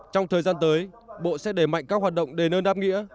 trong thời gian tới bộ sẽ đề mạnh các hoạt động đề nơn đáp nghị